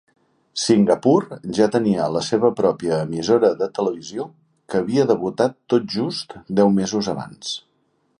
Singapur ja tenia la seva pròpia emissora de televisió, que havia debutat tot just deu mesos abans.